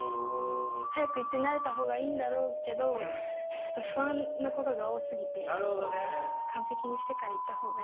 早く行って慣れた方がいいんだろうけどちょっと不安なことが多すぎて完璧にしてから行った方がいいのか。